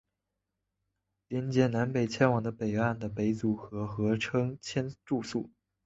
连结南北千住的北岸的北组合称千住宿。